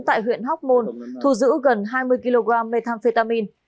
tại huyện hóc môn thu giữ gần hai mươi kg methamphetamin